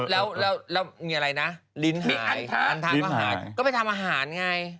แล้วมีอะไรนะลิ้นหาทานอาหารก็ไปทำอาหารไง